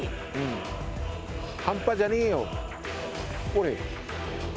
半端じゃねえよ、これ。